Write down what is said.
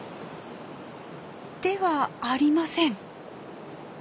ではありません。